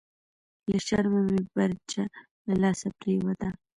لهٔ شرمه مې برچه لهٔ لاسه پریوته… »